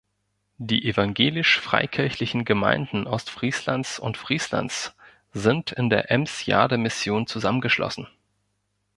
Die Evangelisch-Freikirchlichen Gemeinden Ostfrieslands und Frieslands sind in der Ems-Jade-Mission zusammengeschlossen.